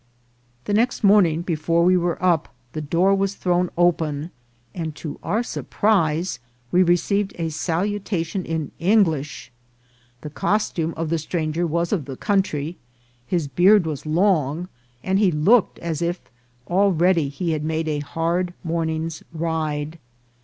The next morning, before we were up, the door was thrown open, and to our surprise we received a saluta tion in English. The costume of the stranger was of the country ; his beard was long, and he looked as if already he had made a hard morning's ride.